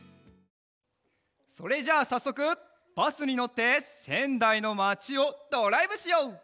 それじゃあさっそくバスにのってせんだいのまちをドライブしよう！